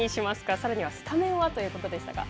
さらにはスタメンはということでしたが。